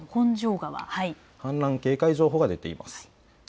氾濫警戒情報が出ています。